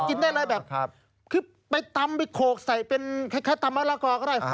กินได้เลยแบบคือไปตำไปโขกใส่เป็นคล้ายตำมะละกอก็ได้